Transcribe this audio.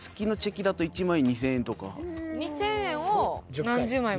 １回大体２，０００円を何十枚も。